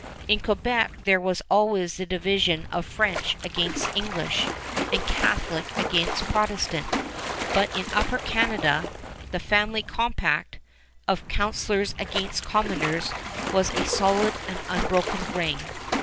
In Quebec there was always the division of French against English, and Catholic against Protestant; but in Upper Canada "the family compact" of councilors against commoners was a solid and unbroken ring.